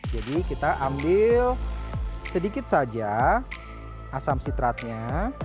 jadi kita ambil sedikit saja asam citratnya